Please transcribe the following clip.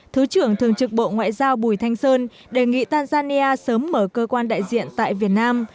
thứ trưởng thường trực bộ ngoại giao bùi thanh sơn đề nghị tanzania sớm mở cơ quan đại diện tại việt nam